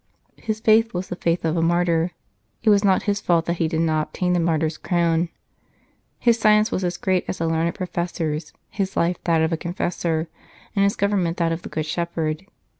..." His faith was the faith of a martyr. It was not his fault that he did not obtain the martyr s crown. His science was as great as a learned professor s, his life that of a confessor, and his government that of the Good Shepherd.